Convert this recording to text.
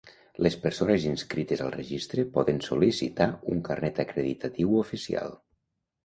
Les persones inscrites al Registre poden sol·licitar un carnet acreditatiu oficial.